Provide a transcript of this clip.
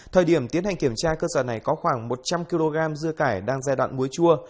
thời điểm tiến hành kiểm tra cơ sở này có khoảng một trăm linh kg dưa cải đang giai đoạn muối chua